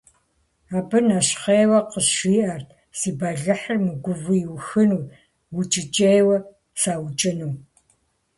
Абы нэщхъейуэ къызжиӀэрт си бэлыхьхэр мыгувэу иухыну, укӀыкӀейуэ саукӀыну.